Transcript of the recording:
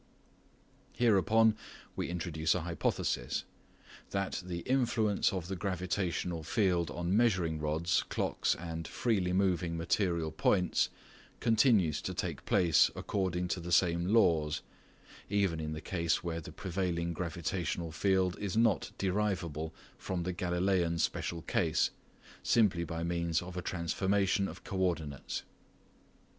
Hereupon we introduce a hypothesis: that the influence of the gravitational field on measuringrods, clocks and freely moving material points continues to take place according to the same laws, even in the case where the prevailing gravitational field is not derivable from the Galfleian special care, simply by means of a transformation of co ordinates.